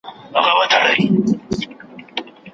له تاریخ لیکني سره پوره اشنايي پیدا کړئ.